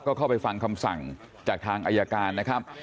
ก็เข้าไปฟังคำสั่งจากทางอายการนะครับ